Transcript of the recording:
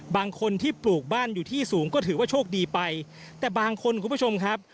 บางคนที่ปลูกบ้านอยู่ที่สูงก็ถือว่าโชคดีไปแต่บางคนคุณผู้ชมครับ